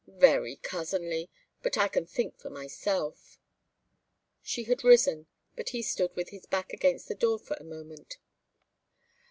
"Very cousinly, but I can think for myself." She had risen, but he stood with his back against the door for a moment.